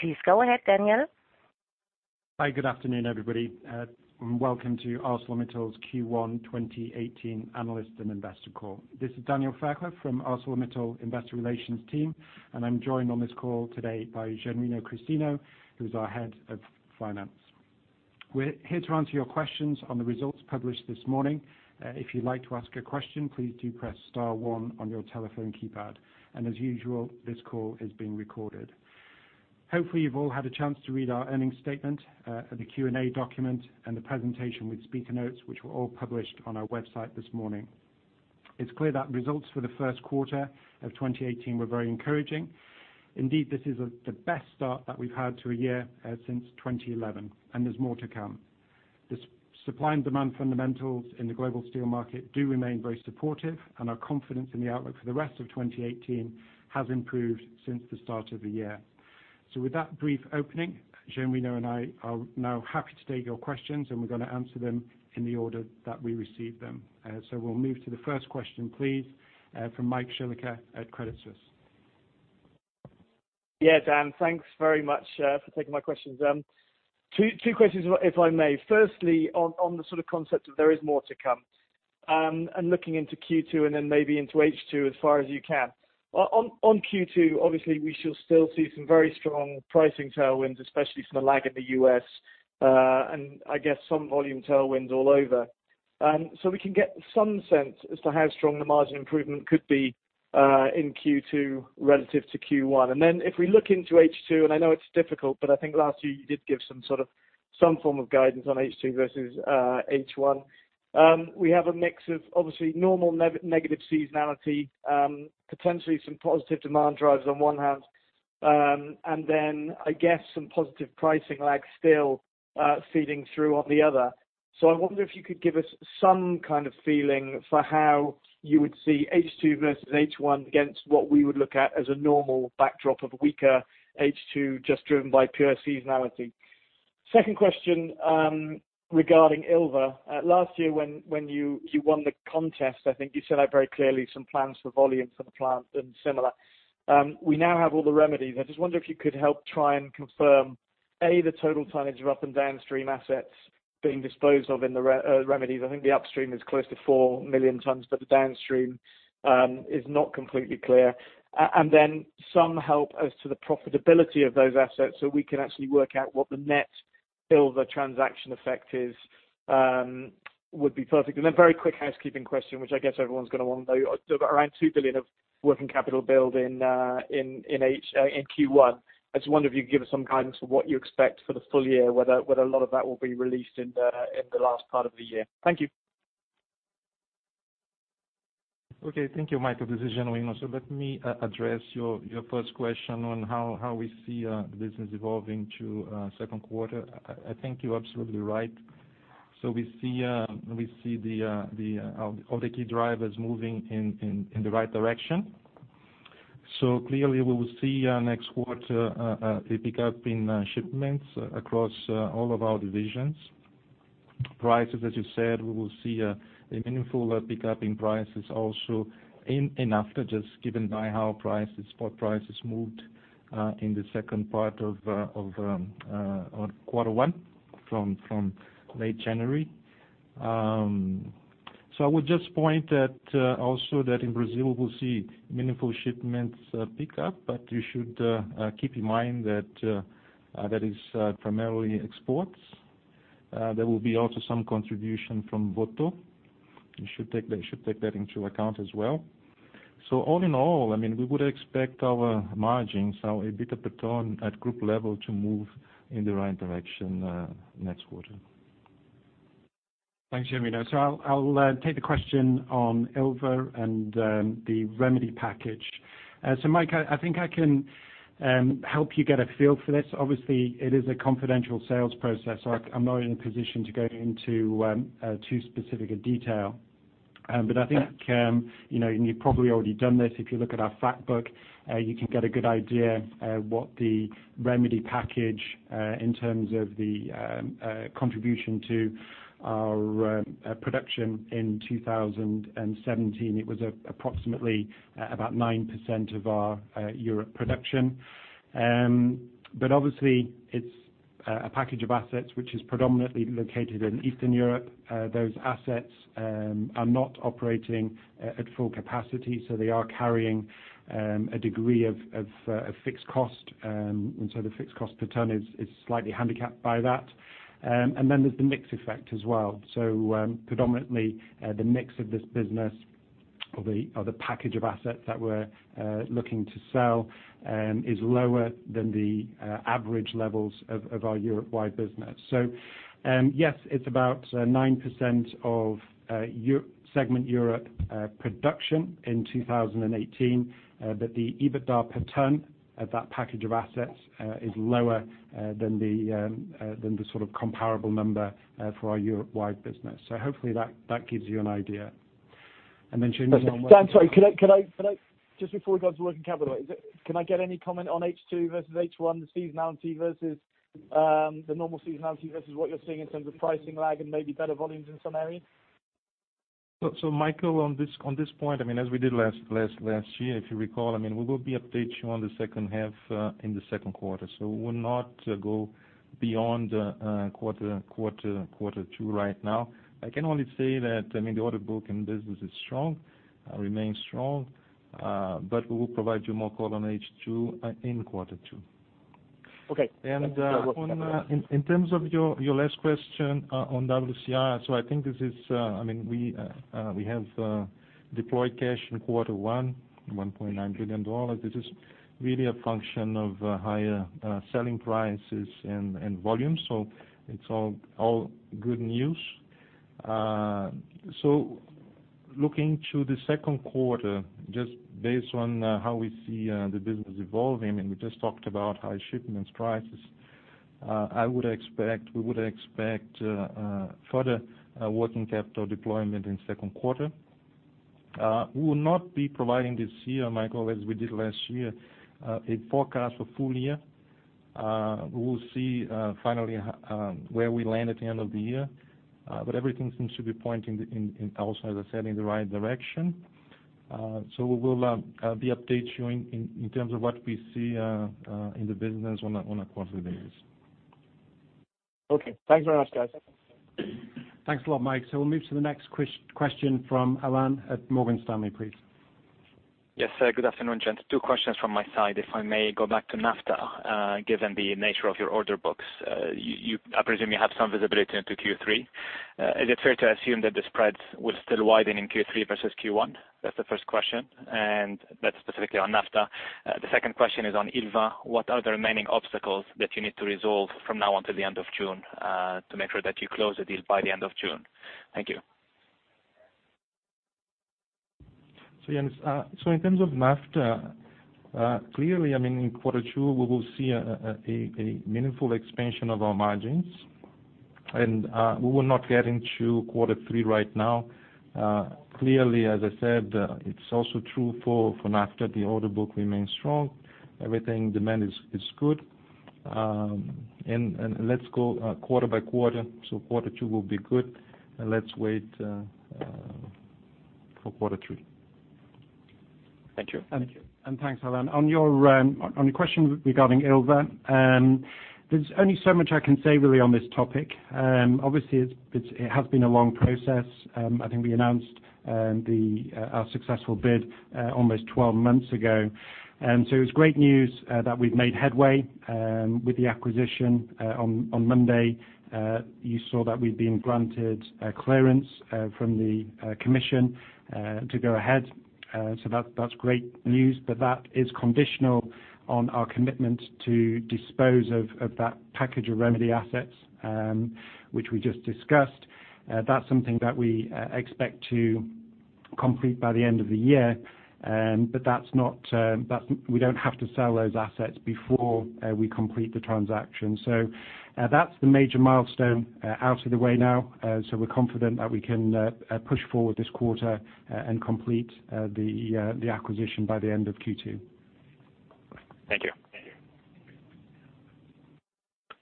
Please go ahead, Daniel. Hi. Good afternoon, everybody. Welcome to ArcelorMittal's Q1 2018 analyst and investor call. This is Daniel Fairclough from ArcelorMittal investor relations team, and I'm joined on this call today by Genuino Christino, who's our head of finance. We're here to answer your questions on the results published this morning. If you'd like to ask a question, please do press star one on your telephone keypad. As usual, this call is being recorded. Hopefully, you've all had a chance to read our earnings statement, the Q&A document, and the presentation with speaker notes, which were all published on our website this morning. It's clear that results for the first quarter of 2018 were very encouraging. Indeed, this is the best start that we've had to a year since 2011. There's more to come. The supply and demand fundamentals in the global steel market do remain very supportive, and our confidence in the outlook for the rest of 2018 has improved since the start of the year. With that brief opening, Genuino and I are now happy to take your questions, and we're going to answer them in the order that we receive them. We'll move to the first question, please, from Michael Shillaker at Credit Suisse. Dan, thanks very much for taking my questions. Two questions, if I may. Firstly, on the concept that there is more to come, and looking into Q2 and then maybe into H2 as far as you can. On Q2, obviously we shall still see some very strong pricing tailwinds, especially from the lag in the U.S., and I guess some volume tailwinds all over. We can get some sense as to how strong the margin improvement could be, in Q2 relative to Q1. If we look into H2, and I know it's difficult, but I think last year you did give some form of guidance on H2 versus H1. We have a mix of obviously normal negative seasonality, potentially some positive demand drivers on one hand, and then I guess some positive pricing lag still feeding through on the other. I wonder if you could give us some kind of feeling for how you would see H2 versus H1 against what we would look at as a normal backdrop of weaker H2 just driven by pure seasonality. Second question, regarding Ilva. Last year when you won the contest, I think you set out very clearly some plans for volume for the plant and similar. We now have all the remedies. I just wonder if you could help try and confirm, A, the total tonnage of up and downstream assets being disposed of in the remedies. I think the upstream is close to 4 million tons, but the downstream is not completely clear. Some help as to the profitability of those assets so we can actually work out what the net Ilva transaction effect is, would be perfect. Very quick housekeeping question, which I guess everyone's going to want to know. Around $2 billion of working capital build in Q1. I just wonder if you could give us some guidance for what you expect for the full year, whether a lot of that will be released in the last part of the year. Thank you. Thank you, Mike. This is Genuino. Let me address your first question on how we see business evolving to second quarter. I think you're absolutely right. We see all the key drivers moving in the right direction. Clearly we will see next quarter a pickup in shipments across all of our divisions. Prices, as you said, we will see a meaningful pickup in prices also in after just given by how prices, spot prices moved, in the second part of Q1 from late January. I would just point that also that in Brazil we'll see meaningful shipments pick up, but you should keep in mind that is primarily exports. There will be also some contribution from Votorantim. You should take that into account as well. All in all, we would expect our margins, our EBIT per ton at group level to move in the right direction next quarter. Thanks, Genuino. I'll take the question on Ilva and the remedy package. Michael, I think I can help you get a feel for this. Obviously, it is a confidential sales process, so I'm not in a position to go into too specific a detail. I think you've probably already done this. If you look at our fact book, you can get a good idea what the remedy package, in terms of the contribution to our production in 2017. It was approximately about 9% of our Europe production. Obviously, it's a package of assets which is predominantly located in Eastern Europe. Those assets are not operating at full capacity, so they are carrying a degree of fixed cost. The fixed cost per ton is slightly handicapped by that. Then there's the mix effect as well. Predominantly, the mix of this business or the package of assets that we're looking to sell, is lower than the average levels of our Europe-wide business. Yes, it's about 9% of segment Europe production in 2018. The EBITDA per ton of that package of assets is lower than the comparable number for our Europe-wide business. Hopefully that gives you an idea. Genuino on- Daniel, sorry, just before we go to working capital, can I get any comment on H2 versus H1, the seasonality versus the normal seasonality versus what you're seeing in terms of pricing lag and maybe better volumes in some areas? Michael, on this point, as we did last year, if you recall, we will update you on the second half in the second quarter. We will not go beyond quarter two right now. I can only say that the order book and business remains strong, we will provide you more color on H2 in quarter two. Okay. In terms of your last question on WCR, I think we have deployed cash in quarter one, $1.9 billion. This is really a function of higher selling prices and volume. It's all good news. Looking to the second quarter, just based on how we see the business evolving, and we just talked about high shipments prices, we would expect further working capital deployment in second quarter. We will not be providing this year, Michael, as we did last year, a forecast for full year. We will see finally where we land at the end of the year. Everything seems to be pointing in, also, as I said, in the right direction. We will be updating you in terms of what we see in the business on a quarterly basis. Okay. Thanks very much, guys. Thanks a lot, Mike. We'll move to the next question from Alain at Morgan Stanley, please. Yes. Good afternoon, gents. Two questions from my side. If I may go back to NAFTA, given the nature of your order books, I presume you have some visibility into Q3. Is it fair to assume that the spreads will still widen in Q3 versus Q1? That's the first question, and that's specifically on NAFTA. The second question is on Ilva. What are the remaining obstacles that you need to resolve from now until the end of June, to make sure that you close the deal by the end of June? Thank you. Yes. In terms of NAFTA, clearly in quarter two we will see a meaningful expansion of our margins. We will not get into quarter three right now. Clearly, as I said, it's also true for NAFTA, the order book remains strong. Everything, demand is good. Let's go quarter by quarter. Quarter two will be good, and let's wait for quarter three. Thank you. Thank you. Thanks, Alain. On your question regarding Ilva, there's only so much I can say really on this topic. Obviously, it has been a long process. I think we announced our successful bid almost 12 months ago. It's great news that we've made headway with the acquisition. On Monday, you saw that we'd been granted clearance from the commission to go ahead. That's great news, but that is conditional on our commitment to dispose of that package of remedy assets, which we just discussed. That's something that we expect to complete by the end of the year. We don't have to sell those assets before we complete the transaction. That's the major milestone out of the way now. We're confident that we can push forward this quarter and complete the acquisition by the end of Q2. Thank you.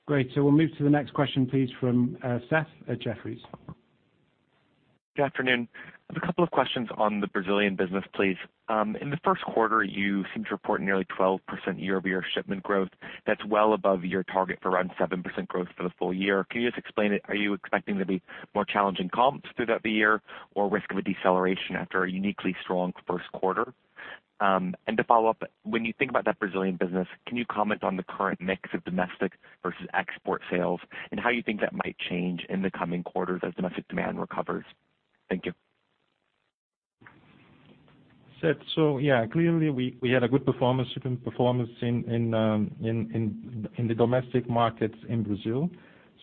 Great. We'll move to the next question, please, from Seth at Jefferies. Good afternoon. I have a couple of questions on the Brazilian business, please. In the first quarter, you seem to report nearly 12% year-over-year shipment growth. That's well above your target for around 7% growth for the full year. Can you just explain it? Are you expecting there'll be more challenging comps throughout the year, or risk of a deceleration after a uniquely strong first quarter? To follow up, when you think about that Brazilian business, can you comment on the current mix of domestic versus export sales and how you think that might change in the coming quarters as domestic demand recovers? Thank you. Seth. Yeah, clearly we had a good performance in the domestic markets in Brazil.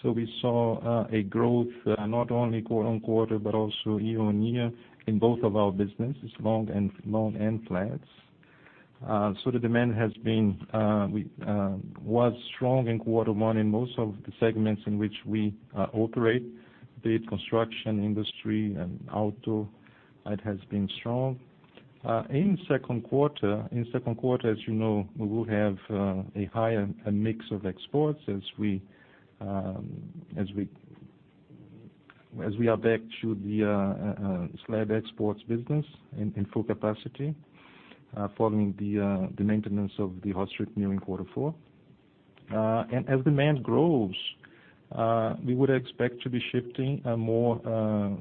We saw a growth not only quarter-on-quarter, but also year-on-year in both of our businesses, long and flats. The demand was strong in quarter one in most of the segments in which we operate, be it construction industry and auto. It has been strong. In second quarter, as you know, we will have a higher mix of exports as we are back to the slabs exports business in full capacity, following the maintenance of the hot strip mill in quarter four. As demand grows, we would expect to be shifting more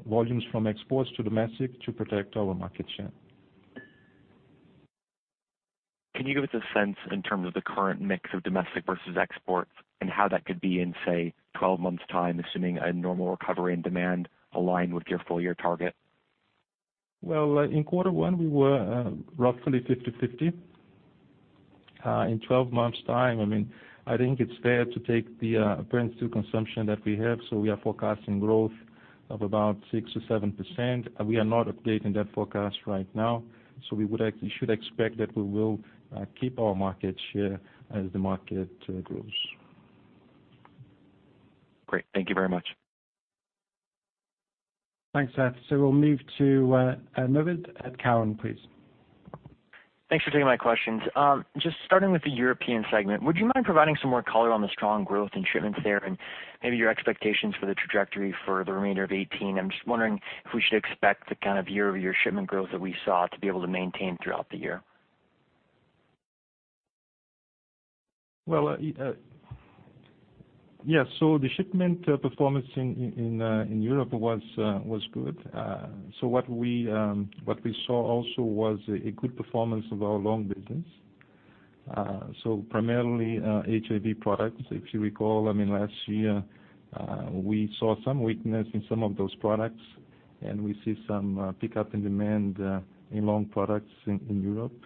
volumes from exports to domestic to protect our market share. Can you give us a sense in terms of the current mix of domestic versus exports and how that could be in, say, 12 months' time, assuming a normal recovery in demand aligned with your full-year target? Well, in quarter one, we were roughly 50/50. In 12 months' time, I think it's fair to take the apparent steel consumption that we have. We are forecasting growth of about 6%-7%, we are not updating that forecast right now. We should expect that we will keep our market share as the market grows. Great. Thank you very much. Thanks, Seth. We'll move to Navid at Cowen, please. Thanks for taking my questions. Just starting with the European segment, would you mind providing some more color on the strong growth in shipments there, maybe your expectations for the trajectory for the remainder of 2018? I'm just wondering if we should expect the kind of year-over-year shipment growth that we saw to be able to maintain throughout the year. Well, yes. The shipment performance in Europe was good. What we saw also was a good performance of our long business. Primarily, I and H products. If you recall, last year we saw some weakness in some of those products, and we see some pickup in demand in long products in Europe.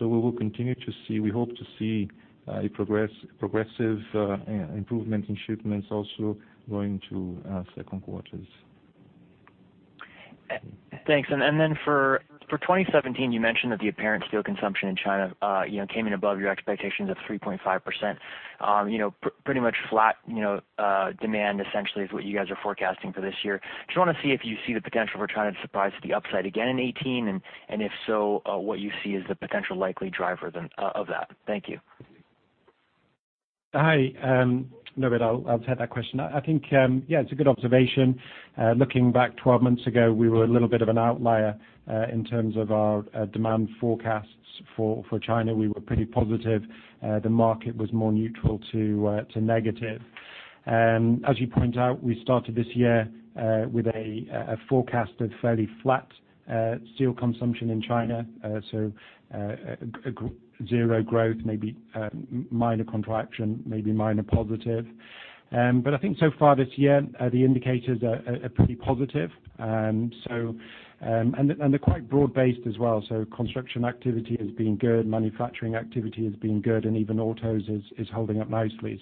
We will continue to see, we hope to see a progressive improvement in shipments also going to second quarters. Thanks. For 2017, you mentioned that the apparent steel consumption in China came in above your expectations of 3.5%. Pretty much flat demand essentially is what you guys are forecasting for this year. Just want to see if you see the potential for China to surprise to the upside again in 2018, and if so, what you see as the potential likely driver of that. Thank you. Hi. I'll take that question. I think, yeah, it's a good observation. Looking back 12 months ago, we were a little bit of an outlier in terms of our demand forecasts for China. We were pretty positive. The market was more neutral to negative. As you point out, we started this year with a forecasted fairly flat steel consumption in China. Zero growth, maybe minor contraction, maybe minor positive. I think so far this year, the indicators are pretty positive. They're quite broad-based as well, so construction activity has been good, manufacturing activity has been good, and even autos is holding up nicely.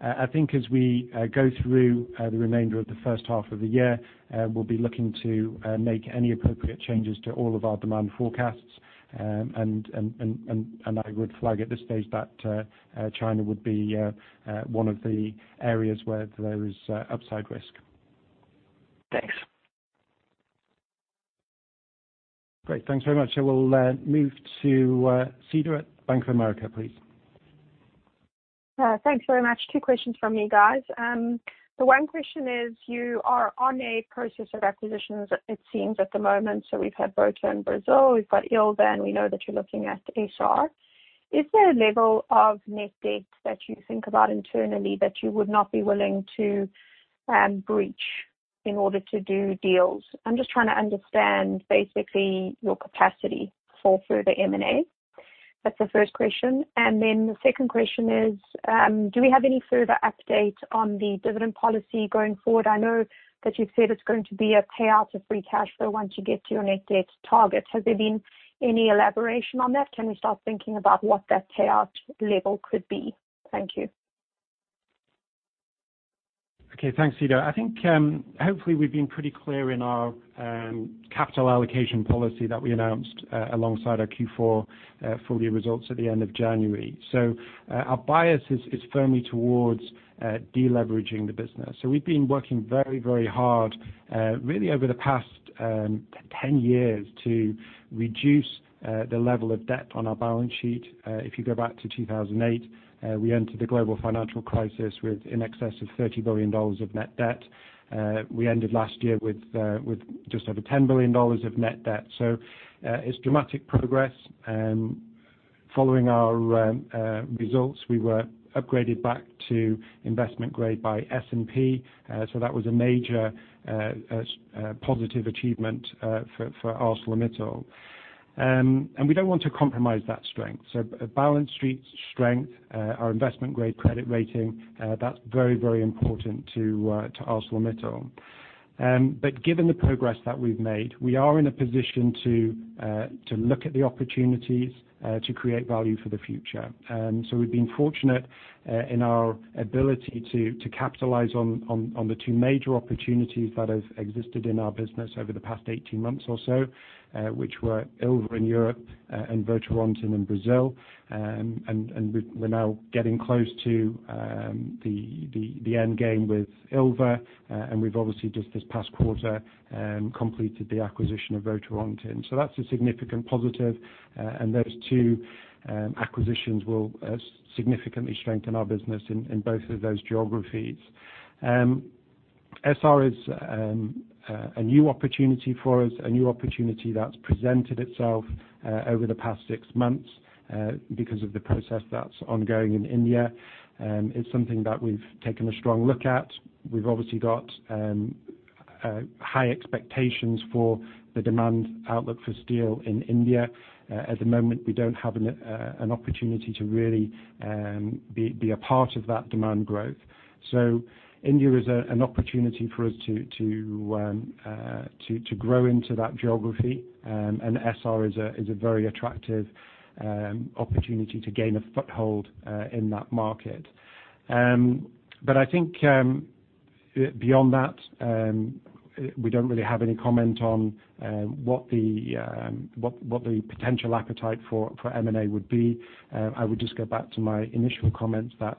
I think as we go through the remainder of the first half of the year, we'll be looking to make any appropriate changes to all of our demand forecasts. I would flag at this stage that China would be one of the areas where there is upside risk. Thanks. Great. Thanks very much. I will move to Cedar at Bank of America, please. Thanks very much. Two questions from me, guys. One question is, you are on a process of acquisitions, it seems, at the moment. We've had Votorantim Brazil, we've got Ilva, and we know that you're looking at Essar. Is there a level of net debt that you think about internally that you would not be willing to breach in order to do deals? I'm just trying to understand basically your capacity for further M&A. That's the first question. The second question is, do we have any further update on the dividend policy going forward? I know that you've said it's going to be a payout of free cash flow once you get to your net debt target. Has there been any elaboration on that? Can we start thinking about what that payout level could be? Thank you. Okay. Thanks, Cedar. I think hopefully we've been pretty clear in our capital allocation policy that we announced alongside our Q4 full year results at the end of January. Our bias is firmly towards de-leveraging the business. We've been working very hard, really over the past 10 years, to reduce the level of debt on our balance sheet. If you go back to 2008, we entered the global financial crisis with in excess of $30 billion of net debt. We ended last year with just over $10 billion of net debt. It's dramatic progress. Following our results, we were upgraded back to investment grade by S&P, that was a major positive achievement for ArcelorMittal. We don't want to compromise that strength. Balance sheet strength, our investment-grade credit rating, that's very important to ArcelorMittal. Given the progress that we've made, we are in a position to look at the opportunities to create value for the future. We've been fortunate in our ability to capitalize on the two major opportunities that have existed in our business over the past 18 months or so, which were Ilva in Europe and Votorantim in Brazil. We're now getting close to the end game with Ilva, we've obviously just this past quarter completed the acquisition of Votorantim. That's a significant positive, those two acquisitions will significantly strengthen our business in both of those geographies. Essar is a new opportunity for us, a new opportunity that's presented itself over the past six months because of the process that's ongoing in India. It's something that we've taken a strong look at. We've obviously got high expectations for the demand outlook for steel in India. At the moment, we don't have an opportunity to really be a part of that demand growth. India is an opportunity for us to grow into that geography, and Essar is a very attractive opportunity to gain a foothold in that market. I think beyond that, we don't really have any comment on what the potential appetite for M&A would be. I would just go back to my initial comments that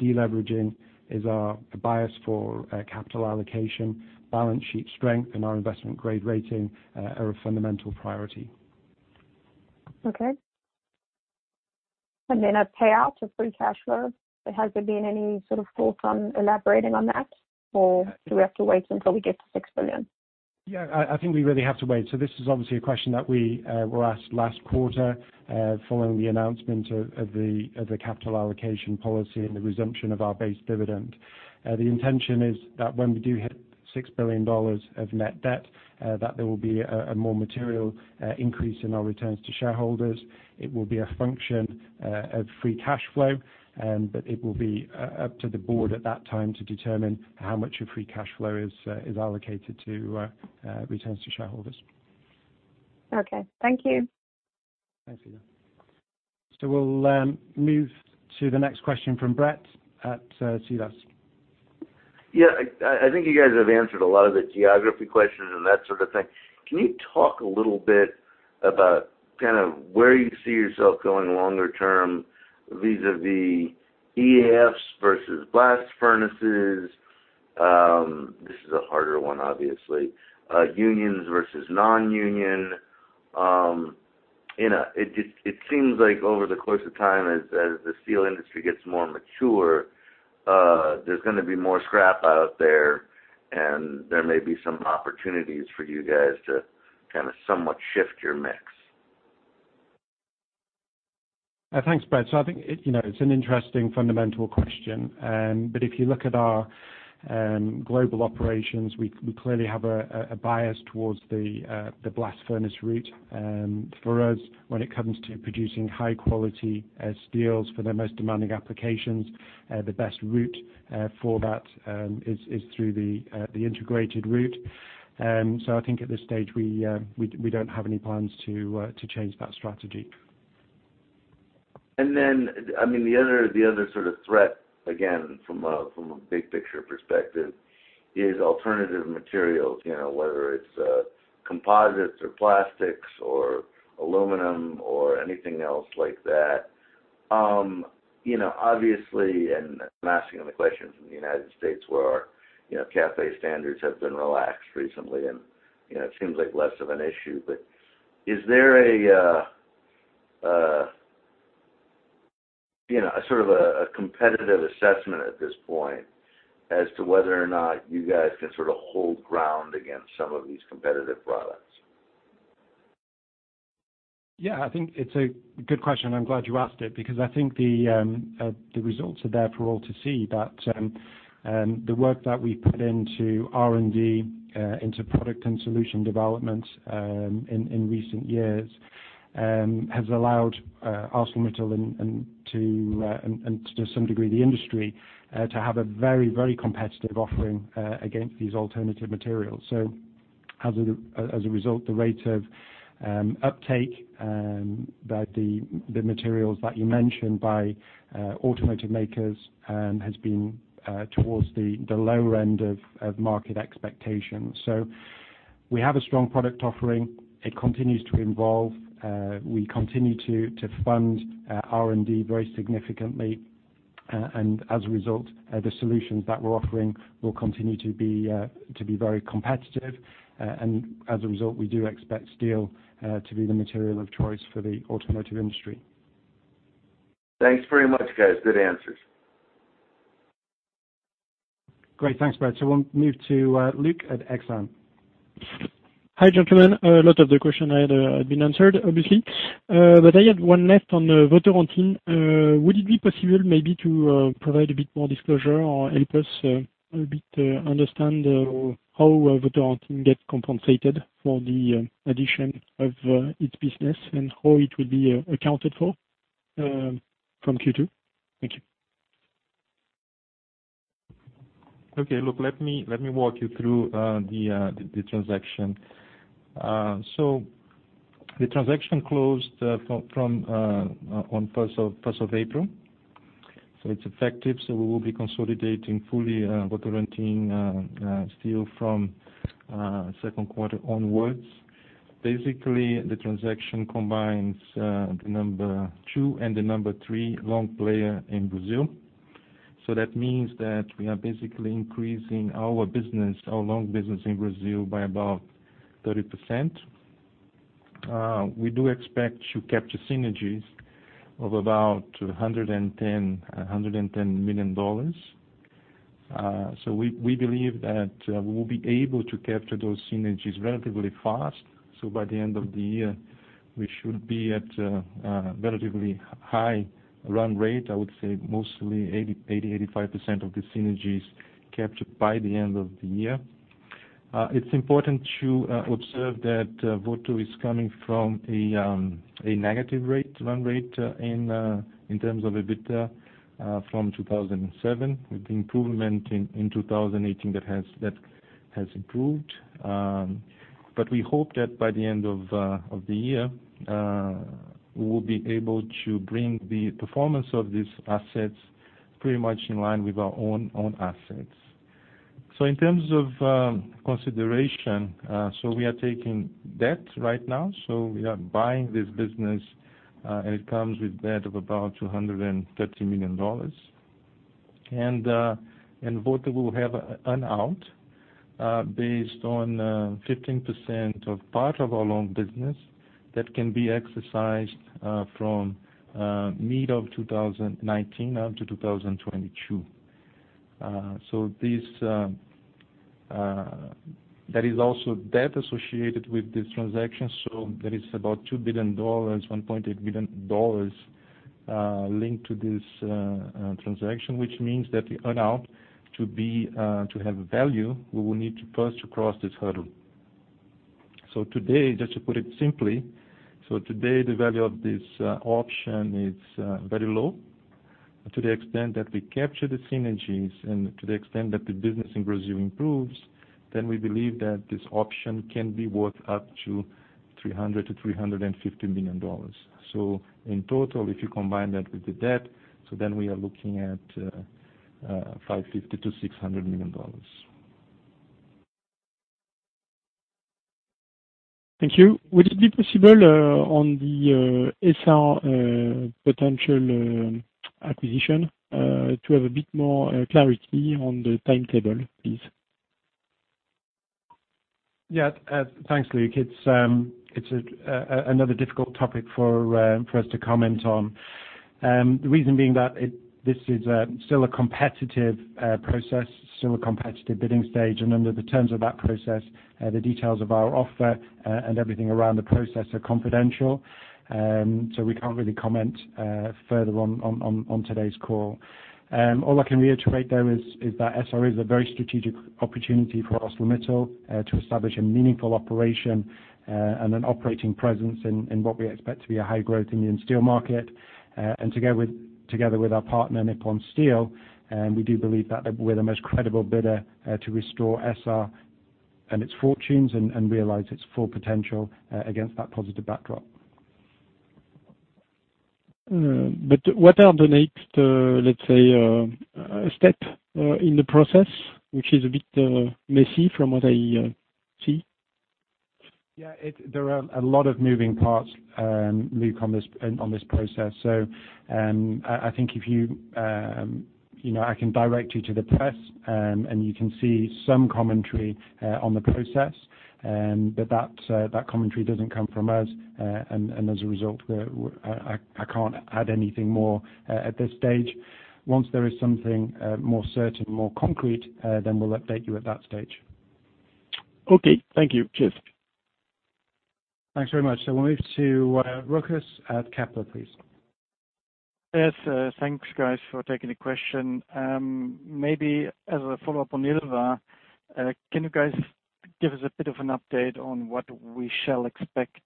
de-leveraging is our bias for capital allocation, balance sheet strength, and our investment-grade rating are a fundamental priority. Okay. Then a payout of free cash flow. Has there been any sort of thoughts on elaborating on that, or do we have to wait until we get to $6 billion? I think we really have to wait. This is obviously a question that we were asked last quarter, following the announcement of the capital allocation policy and the resumption of our base dividend. The intention is that when we do hit $6 billion of net debt, that there will be a more material increase in our returns to shareholders. It will be a function of free cash flow. It will be up to the board at that time to determine how much of free cash flow is allocated to returns to shareholders. Okay. Thank you. Thanks, Cedar. We'll move to the next question from Brett at TS. Yeah. I think you guys have answered a lot of the geography questions and that sort of thing. Can you talk a little bit about where you see yourself going longer term, vis-à-vis EAFs versus blast furnaces? This is a harder one, obviously. Unions versus non-union. It seems like over the course of time as the steel industry gets more mature, there's gonna be more scrap out there and there may be some opportunities for you guys to somewhat shift your mix. Thanks, Brett. I think it's an interesting fundamental question. If you look at our global operations, we clearly have a bias towards the blast furnace route. For us, when it comes to producing high quality steels for the most demanding applications, the best route for that is through the integrated route. I think at this stage, we don't have any plans to change that strategy. The other sort of threat, again, from a big picture perspective, is alternative materials. Whether it's composites or plastics or aluminum or anything else like that. Obviously, and I'm asking the question from the United States, where our CAFE standards have been relaxed recently, and it seems like less of an issue, but is there a competitive assessment at this point as to whether or not you guys can hold ground against some of these competitive products? Yeah, I think it's a good question. I'm glad you asked it, because I think the results are there for all to see, that the work that we put into R&D, into product and solution development, in recent years, has allowed ArcelorMittal and to some degree, the industry, to have a very, very competitive offering against these alternative materials. As a result, the rate of uptake by the materials that you mentioned by automotive makers has been towards the lower end of market expectations. We have a strong product offering. It continues to evolve. We continue to fund R&D very significantly. As a result, the solutions that we're offering will continue to be very competitive. As a result, we do expect steel to be the material of choice for the automotive industry. Thanks very much, guys. Good answers. Great. Thanks, Brett. We'll move to Luc at Exane. Hi, gentlemen. A lot of the questions I had have been answered, obviously. I had one left on Votorantim. Would it be possible maybe to provide a bit more disclosure or help us a bit understand how Votorantim gets compensated for the addition of its business and how it will be accounted for from Q2? Thank you. Luc, let me walk you through the transaction. The transaction closed on 1st of April. It's effective, we will be consolidating fully Votorantim Siderurgia from second quarter onwards. The transaction combines the number 2 and the number 3 long player in Brazil. That means that we are basically increasing our business, our long business in Brazil by about 30%. We do expect to capture synergies of about $110 million. We believe that we will be able to capture those synergies relatively fast. By the end of the year, we should be at a relatively high run rate. I would say mostly 80%, 85% of the synergies captured by the end of the year. It's important to observe that Votorantim is coming from a negative run rate in terms of EBITDA, from 2007, with improvement in 2018, that has improved. We hope that by the end of the year, we will be able to bring the performance of these assets pretty much in line with our own assets. In terms of consideration, we are taking debt right now. We are buying this business, and it comes with debt of about $230 million. Votor will have an out based on 15% of part of our long business that can be exercised from mid of 2019 up to 2022. There is also debt associated with this transaction. There is about $2 billion, $1.8 billion linked to this transaction, which means that the earn-out to have value, we will need to first cross this hurdle. Today, just to put it simply, the value of this option is very low to the extent that we capture the synergies and to the extent that the business in Brazil improves, then we believe that this option can be worth up to $300 million-$350 million. In total, if you combine that with the debt, then we are looking at $550 million-$600 million. Thank you. Would it be possible on the Essar potential acquisition to have a bit more clarity on the timetable, please? Thanks, Luc. It's another difficult topic for us to comment on. The reason being that this is still a competitive process, still a competitive bidding stage, and under the terms of that process, the details of our offer and everything around the process are confidential. We can't really comment further on today's call. All I can reiterate, though, is that Essar is a very strategic opportunity for ArcelorMittal to establish a meaningful operation and an operating presence in what we expect to be a high growth Indian steel market. Together with our partner, Nippon Steel, we do believe that we're the most credible bidder to restore Essar and its fortunes and realize its full potential against that positive backdrop. What are the next, let's say, step in the process, which is a bit messy from what I see. There are a lot of moving parts, Luc, on this process. I think I can direct you to the press, and you can see some commentary on the process. That commentary doesn't come from us, and as a result, I can't add anything more at this stage. Once there is something more certain, more concrete, then we'll update you at that stage. Okay. Thank you. Cheers. Thanks very much. We'll move to Rochus at Kepler, please. Yes, thanks, guys, for taking the question. Maybe as a follow-up on Ilva, can you guys give us a bit of an update on what we shall expect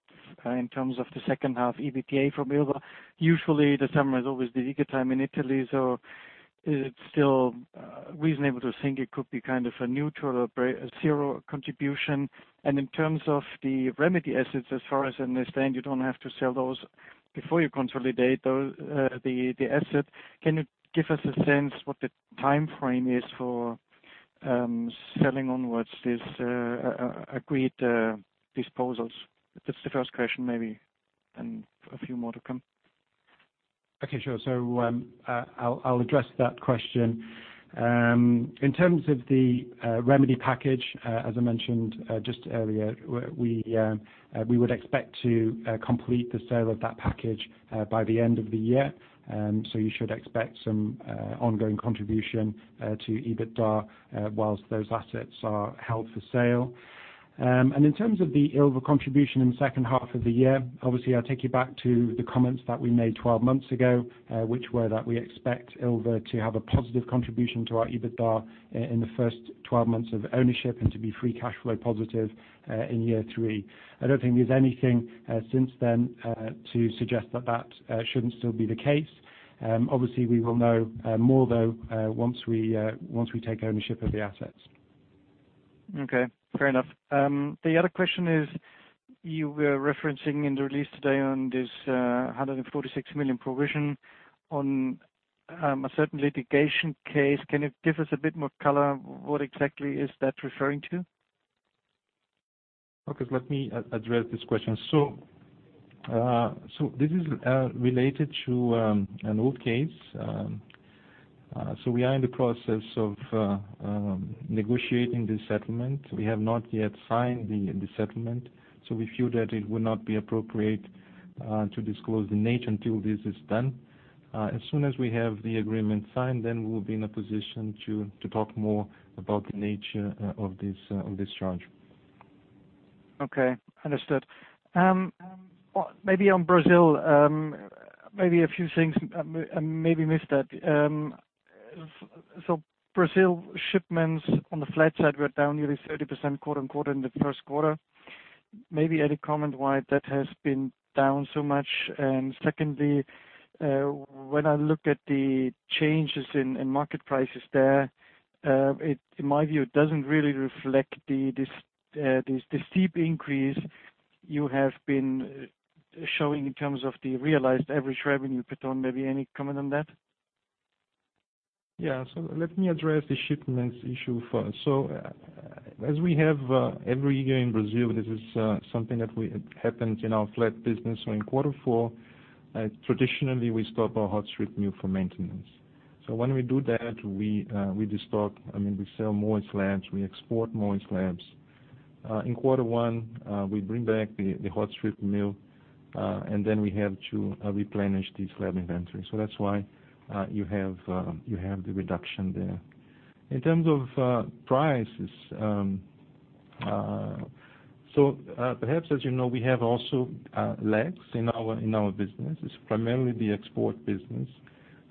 in terms of the second half EBITDA for Ilva? Usually, the summer is always the bigger time in Italy, so it's still reasonable to think it could be kind of a neutral or zero contribution. In terms of the remedy assets, as far as I understand, you don't have to sell those before you consolidate the asset. Can you give us a sense what the timeframe is for selling onwards this agreed disposals? That's the first question, maybe, and a few more to come. Okay, sure. I'll address that question. In terms of the remedy package, as I mentioned just earlier, we would expect to complete the sale of that package by the end of the year. You should expect some ongoing contribution to EBITDA whilst those assets are held for sale. In terms of the Ilva contribution in the second half of the year, obviously, I'll take you back to the comments that we made 12 months ago, which were that we expect Ilva to have a positive contribution to our EBITDA in the first 12 months of ownership and to be free cash flow positive in year three. I don't think there's anything since then to suggest that that shouldn't still be the case. Obviously, we will know more, though, once we take ownership of the assets. Okay, fair enough. The other question is, you were referencing in the release today on this 146 million provision on a certain litigation case. Can you give us a bit more color? What exactly is that referring to? Okay, let me address this question. This is related to an old case. We are in the process of negotiating this settlement. We have not yet signed the settlement, we feel that it would not be appropriate to disclose the nature until this is done. As soon as we have the agreement signed, we will be in a position to talk more about the nature of this charge. Okay, understood. Maybe on Brazil, maybe a few things I maybe missed at. Brazil shipments on the flat side were down nearly 30% quarter-over-quarter in the first quarter. Maybe any comment why that has been down so much? Secondly, when I look at the changes in market prices there, in my view, it doesn't really reflect the steep increase you have been showing in terms of the realized average revenue per ton. Maybe any comment on that? Yeah. Let me address the shipments issue first. As we have every year in Brazil, this is something that happens in our flat business. In quarter 4, traditionally we stop our hot strip mill for maintenance. When we do that, we destock, we sell more slabs, we export more slabs. In quarter 1, we bring back the hot strip mill, we have to replenish the slab inventory. That's why you have the reduction there. In terms of prices, perhaps as you know, we have also lags in our business, it's primarily the export business.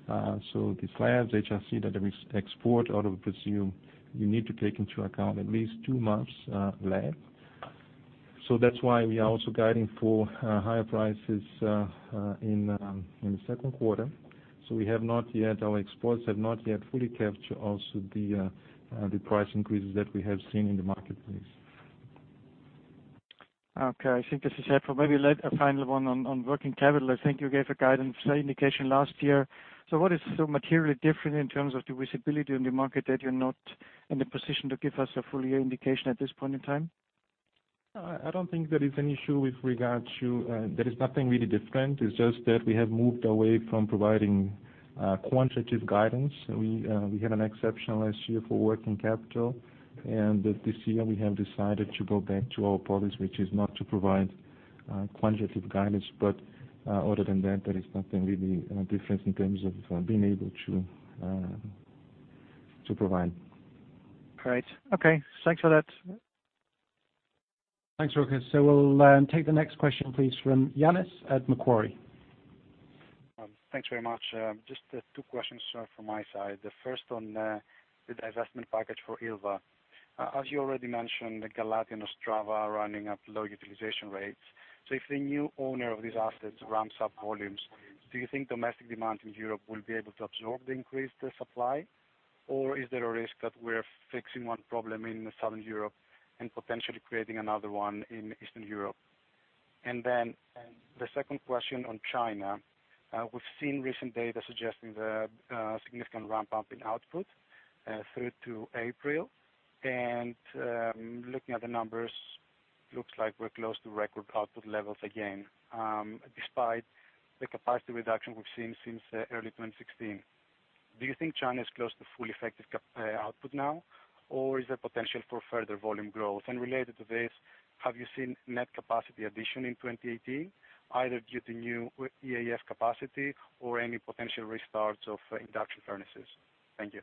The slabs, HRC, that we export out of Brazil, you need to take into account at least 2 months lag. That's why we are also guiding for higher prices in the second quarter. Our exports have not yet fully captured also the price increases that we have seen in the marketplace. Okay. I think this is helpful. Maybe a final one on working capital. I think you gave a guidance indication last year. What is so materially different in terms of the visibility in the market that you're not in a position to give us a full year indication at this point in time? There is nothing really different. It's just that we have moved away from providing quantitative guidance. We had an exception last year for working capital, this year we have decided to go back to our policy, which is not to provide quantitative guidance. Other than that, there is nothing really different in terms of being able to provide. Great. Okay. Thanks for that. Thanks, Rochus. We'll take the next question, please, from Yannis at Macquarie. Thanks very much. Just two questions from my side. The first on the divestment package for Ilva. As you already mentioned, Galati and Ostrava are running at low utilization rates. If the new owner of these assets ramps up volumes, do you think domestic demand in Europe will be able to absorb the increased supply? Is there a risk that we're fixing one problem in Southern Europe and potentially creating another one in Eastern Europe? The second question on China. We've seen recent data suggesting the significant ramp up in output through to April. Looking at the numbers, looks like we're close to record output levels again, despite the capacity reduction we've seen since early 2016. Do you think China is close to full effective output now, or is there potential for further volume growth? Related to this, have you seen net capacity addition in 2018, either due to new EAF capacity or any potential restarts of induction furnaces? Thank you.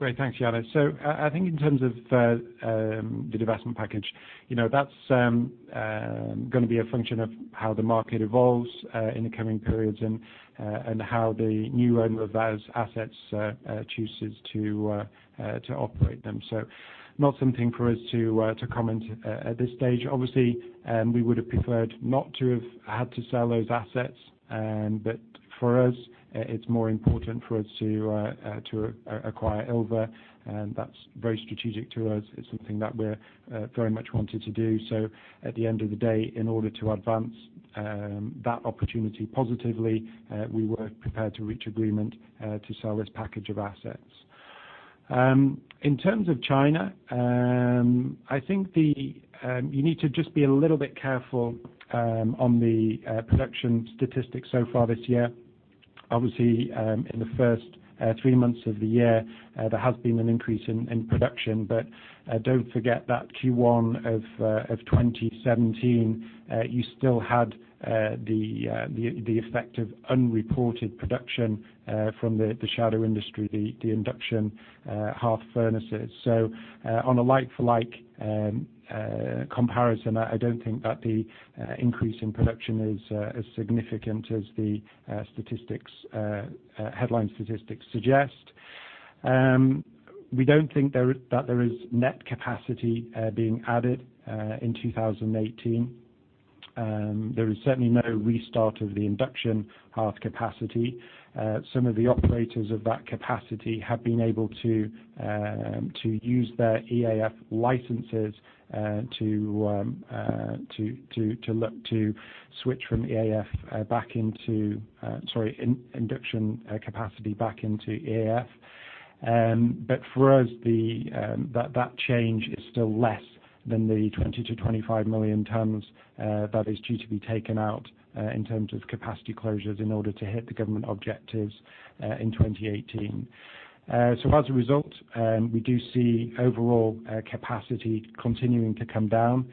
Great. Thanks, Ioannis. I think in terms of the divestment package, that's going to be a function of how the market evolves in the coming periods and how the new owner of those assets chooses to operate them. Not something for us to comment at this stage. Obviously, we would have preferred not to have had to sell those assets. For us, it's more important for us to acquire Ilva, and that's very strategic to us. It's something that we very much wanted to do. At the end of the day, in order to advance that opportunity positively, we were prepared to reach agreement to sell this package of assets. In terms of China, I think you need to just be a little bit careful on the production statistics so far this year. Obviously, in the first three months of the year, there has been an increase in production. Don't forget that Q1 of 2017, you still had the effect of unreported production from the shadow industry, the induction furnaces. On a like for like comparison, I don't think that the increase in production is as significant as the headline statistics suggest. We don't think that there is net capacity being added in 2018. There is certainly no restart of the induction furnace capacity. Some of the operators of that capacity have been able to use their EAF licenses to switch from induction capacity back into EAF. For us, that change is still less than the 20 million-25 million tons that is due to be taken out in terms of capacity closures in order to hit the government objectives in 2018. As a result, we do see overall capacity continuing to come down,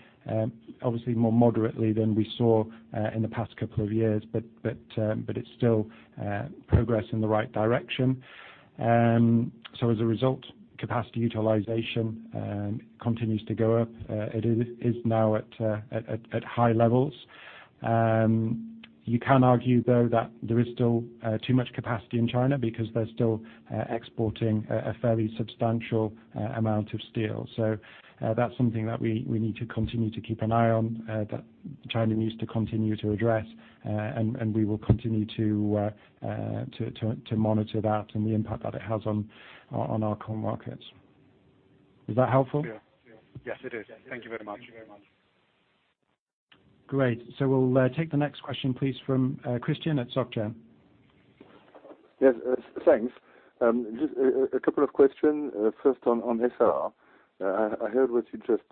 obviously more moderately than we saw in the past couple of years, but it's still progress in the right direction. As a result, capacity utilization continues to go up. It is now at high levels. You can argue though that there is still too much capacity in China because they're still exporting a fairly substantial amount of steel. That's something that we need to continue to keep an eye on, that China needs to continue to address, and we will continue to monitor that and the impact that it has on our core markets. Is that helpful? Yes, it is. Thank you very much. Great. We'll take the next question, please, from Christian at SocGen. Yes, thanks. Just a couple of questions. First, on Essar. I heard what you just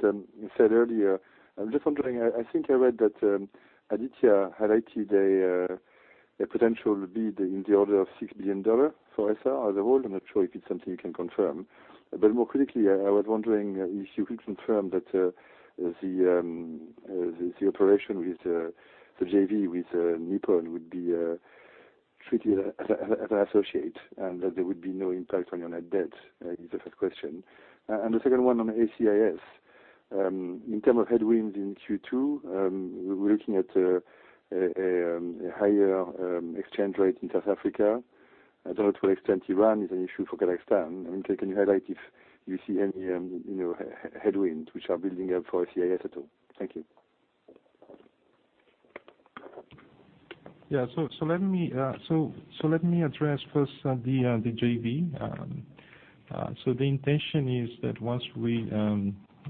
said earlier. I'm just wondering, I think I read that Aditya highlighted a potential bid in the order of $6 billion for Essar as a whole. I'm not sure if it's something you can confirm. More critically, I was wondering if you could confirm that the operation with the JV with Nippon would be treated as an associate, and that there would be no impact on your net debt, is the first question. The second one on ACIS. In terms of headwinds in Q2, we're looking at a higher exchange rate in South Africa. I don't know to what extent Iran is an issue for Kazakhstan. Can you highlight if you see any headwinds which are building up for ACIS at all? Thank you. Let me address first the JV. The intention is that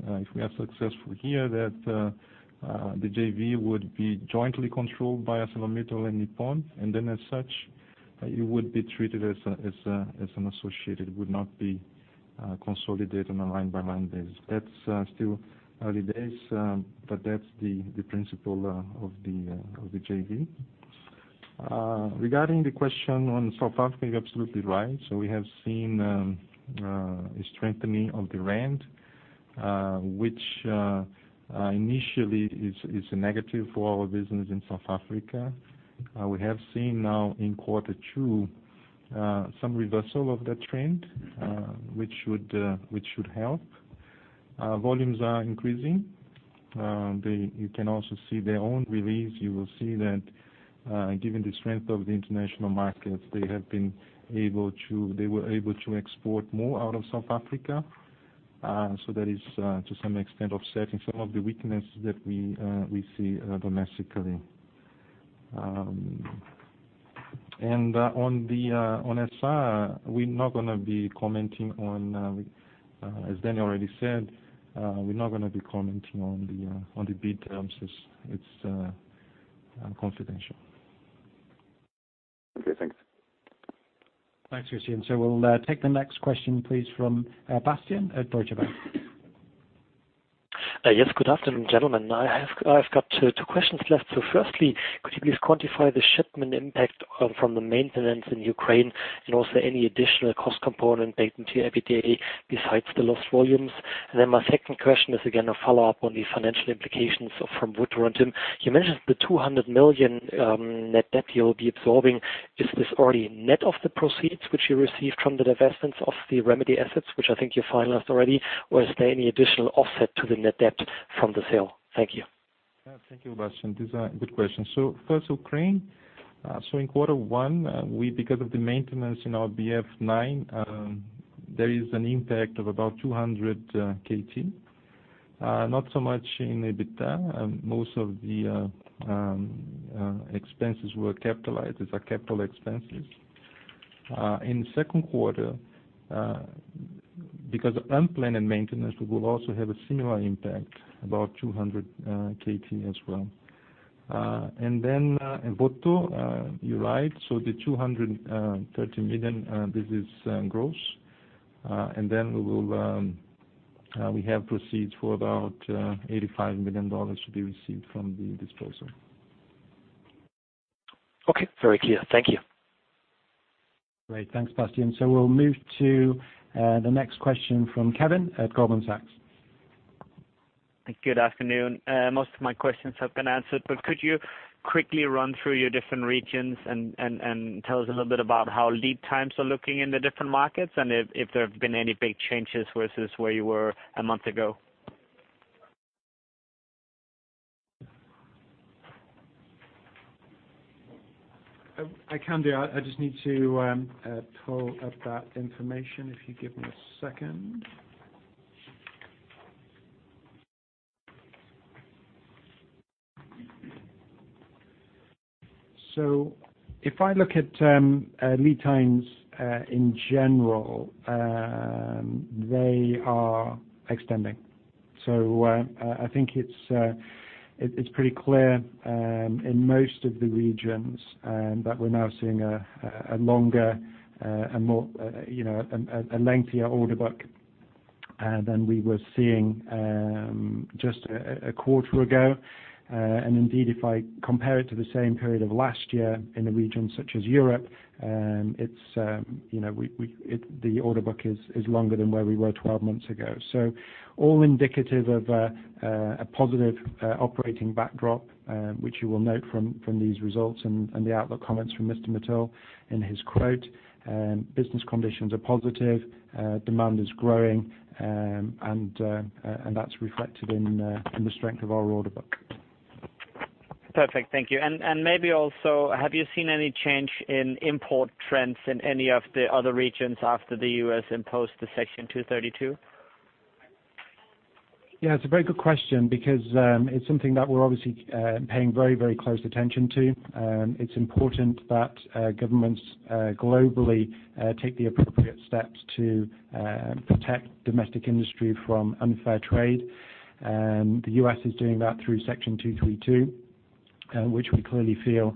if we are successful here, that the JV would be jointly controlled by ArcelorMittal and Nippon, and then as such, it would be treated as an associate. It would not be consolidated on a line-by-line basis. That's still early days, but that's the principle of the JV. Regarding the question on South Africa, you're absolutely right. We have seen a strengthening of the rand, which initially is a negative for our business in South Africa. We have seen now in quarter 2 some reversal of that trend, which should help. Volumes are increasing. You can also see their own release. You will see that given the strength of the international markets, they were able to export more out of South Africa. That is, to some extent, offsetting some of the weakness that we see domestically. On SR, as Danny already said, we're not going to be commenting on the bid terms. It's confidential. Okay, thanks. Thanks, Christian. We'll take the next question, please, from Bastian at Deutsche Bank. Yes, good afternoon, gentlemen. I've got two questions left. Firstly, could you please quantify the shipment impact from the maintenance in Ukraine and also any additional cost component baked into EBITDA besides the lost volumes? My second question is again, a follow-up on the financial implications from Votorantim. You mentioned the $200 million net debt you will be absorbing. Is this already net of the proceeds which you received from the divestments of the remedy assets, which I think you finalized already? Or is there any additional offset to the net debt from the sale? Thank you. Thank you, Bastian. These are good questions. First, Ukraine. In quarter one, because of the maintenance in our BF9, there is an impact of about 200 KT. Not so much in EBITDA. Most of the expenses were capitalized as capital expenses. In the second quarter, because of unplanned maintenance, we will also have a similar impact, about 200 KT as well. In Votorantim, you're right. The $230 million, this is gross. We have proceeds for about $85 million to be received from the disposal. Okay. Very clear. Thank you. Great. Thanks, Bastian. We'll move to the next question from Kevin at Goldman Sachs. Good afternoon. Most of my questions have been answered. Could you quickly run through your different regions and tell us a little bit about how lead times are looking in the different markets, and if there have been any big changes versus where you were a month ago? I can do. I just need to pull up that information, if you give me a second. If I look at lead times, in general, they are extending. I think it's pretty clear in most of the regions that we're now seeing a lengthier order book than we were seeing just a quarter ago. Indeed, if I compare it to the same period of last year in a region such as Europe, the order book is longer than where we were 12 months ago. All indicative of a positive operating backdrop, which you will note from these results and the outlook comments from Lakshmi Mittal in his quote. Business conditions are positive, demand is growing, and that's reflected in the strength of our order book. Perfect. Thank you. Maybe also, have you seen any change in import trends in any of the other regions after the U.S. imposed the Section 232? Yeah, it's a very good question because it's something that we're obviously paying very close attention to. It's important that governments globally take the appropriate steps to protect domestic industry from unfair trade. The U.S. is doing that through Section 232 which we clearly feel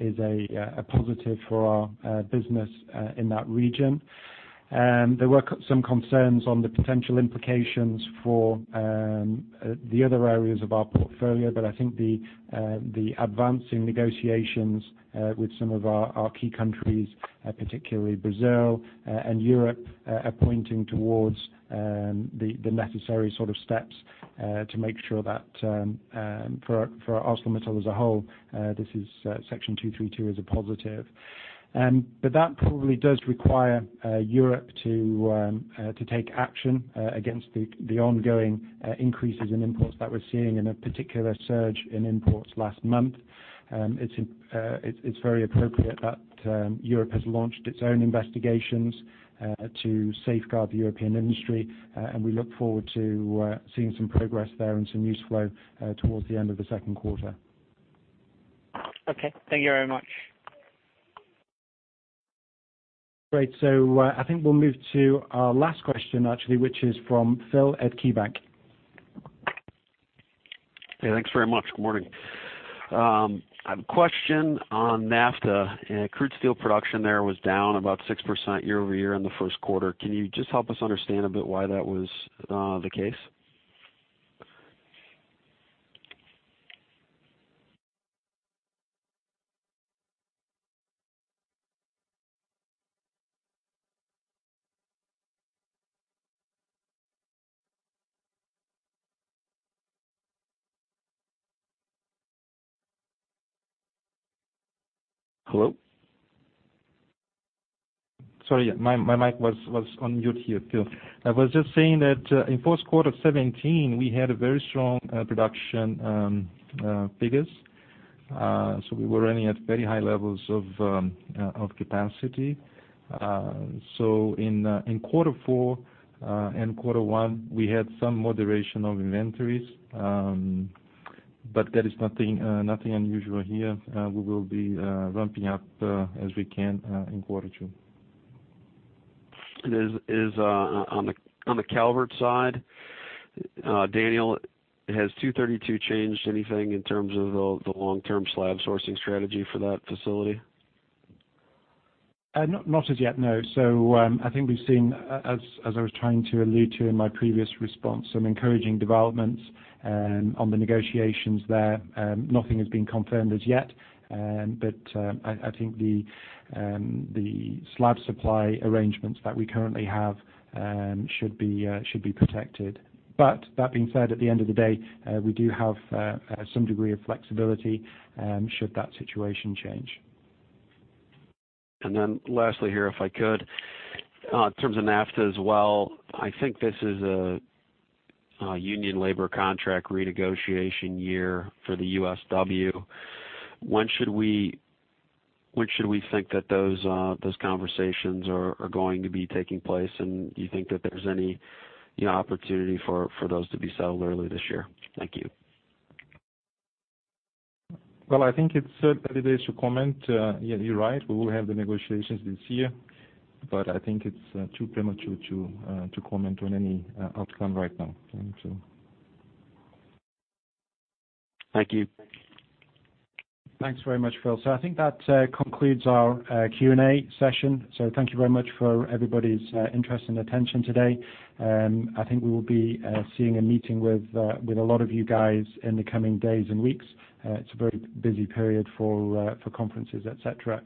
is a positive for our business in that region. There were some concerns on the potential implications for the other areas of our portfolio, but I think the advancing negotiations with some of our key countries, particularly Brazil and Europe, are pointing towards the necessary steps to make sure that for ArcelorMittal as a whole, Section 232 is a positive. That probably does require Europe to take action against the ongoing increases in imports that we're seeing, and a particular surge in imports last month. It's very appropriate that Europe has launched its own investigations to safeguard the European industry, and we look forward to seeing some progress there and some news flow towards the end of the second quarter. Okay. Thank you very much. Great. I think we'll move to our last question actually, which is from Phil at KeyBank. Hey, thanks very much. Good morning. I have a question on NAFTA. Crude steel production there was down about 6% year-over-year in the first quarter. Can you just help us understand a bit why that was the case? Hello? Sorry, my mic was on mute here, Phil. I was just saying that in fourth quarter 2017, we had very strong production figures. We were running at very high levels of capacity. In quarter four and quarter one, we had some moderation of inventories. There is nothing unusual here. We will be ramping up as we can in quarter two. On the Calvert side, Daniel, has 232 changed anything in terms of the long-term slab sourcing strategy for that facility? Not as yet, no. I think we've seen, as I was trying to allude to in my previous response, some encouraging developments on the negotiations there. Nothing has been confirmed as yet, I think the slab supply arrangements that we currently have should be protected. That being said, at the end of the day, we do have some degree of flexibility should that situation change. Lastly here, if I could, in terms of NAFTA as well, I think this is a union labor contract renegotiation year for the USW. When should we think that those conversations are going to be taking place, and do you think that there's any opportunity for those to be settled early this year? Thank you. Well, I think it's early days to comment. You're right, we will have the negotiations this year, but I think it's too premature to comment on any outcome right now. Thank you. Thank you. Thanks very much, Phil. I think that concludes our Q&A session. Thank you very much for everybody's interest and attention today. I think we will be seeing and meeting with a lot of you guys in the coming days and weeks. It's a very busy period for conferences, et cetera.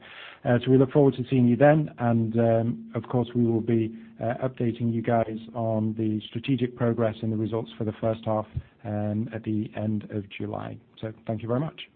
We look forward to seeing you then, and of course, we will be updating you guys on the strategic progress and the results for the first half at the end of July. Thank you very much.